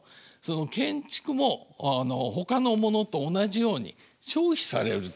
建築もほかのものと同じように消費される対象になった。